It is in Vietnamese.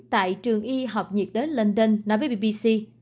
tại trường y học nhiệt đến london nói với bbc